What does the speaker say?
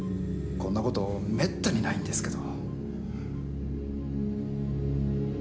こんなことめったにないんですけど。